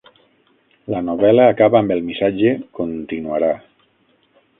La novel·la acaba amb el missatge "Continuarà".